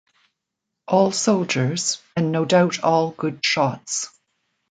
All soldiers, and no doubt all good shots.